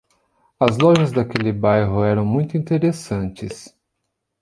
As lojas daquele bairro eram muito interessantes.